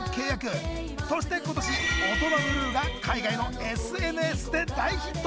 そして今年「オトナブルー」が海外のＳＮＳで大ヒット。